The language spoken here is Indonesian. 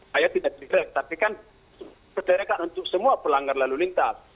saya tidak jelek tapi kan berderekan untuk semua pelanggar lalu lintas